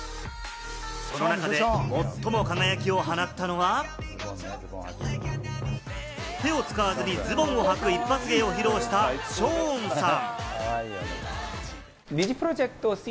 その中で最も輝きを放ったのは、手を使わずにズボンをはく一発芸を披露した、ショーンさん。